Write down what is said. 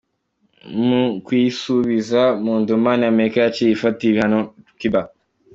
Mu kuyisubiriza mu ndumane, Amerika yaciye ifatira ibihano Cuba.